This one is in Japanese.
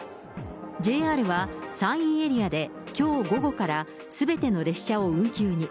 ＪＲは、山陰エリアできょう午後からすべての列車を運休に。